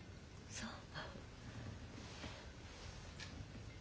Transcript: そう。